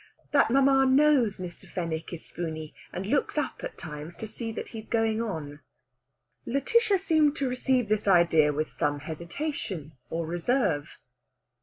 "That mamma knows Mr. Fenwick is spooney, and looks up at times to see that he's going on." Lætitia seems to receive this idea with some hesitation or reserve.